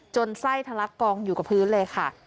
ไส้ทะลักกองอยู่กับพื้นเลยค่ะ